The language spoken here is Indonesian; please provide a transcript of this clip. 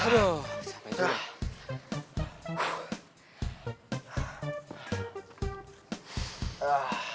aduh sampai juga